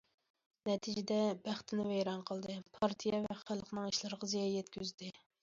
نەتىجىدە، بەختىنى ۋەيران قىلدى، پارتىيە ۋە خەلقنىڭ ئىشلىرىغا زىيان يەتكۈزدى.